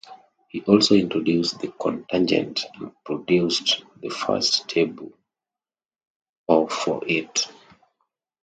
He also introduced the cotangent, and produced the first tables of for it.